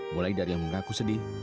mulai dari yang mengaku sedih